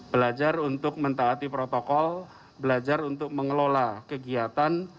belajar untuk mentaati protokol belajar untuk mengelola kegiatan